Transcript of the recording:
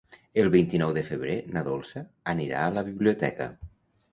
El vint-i-nou de febrer na Dolça anirà a la biblioteca.